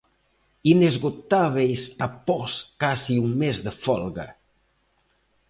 Inesgotábeis após case un mes de folga.